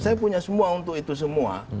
saya punya semua untuk itu semua